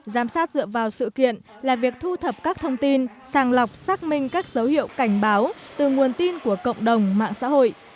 giám sát dựa vào sự kiện là việc thu thập các thông tin sàng lọc xác minh các dấu hiệu cảnh báo từ nguồn tin của cộng đồng mạng xã hội